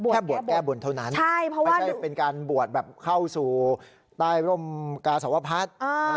บวชแก้บนเท่านั้นไม่ใช่เป็นการบวชแบบเข้าสู่ใต้ร่มกาสวพัฒน์